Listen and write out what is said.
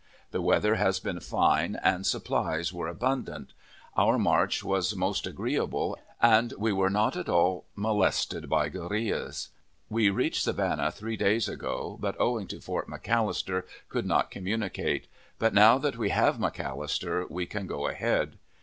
The weather has been fine, and supplies were abundant. Our march was most agreeable, and we were not at all molested by guerrillas. We reached Savannah three days ago, but, owing to Fort McAllister, could not communicate; but, now that we have McAllister, we can go ahead.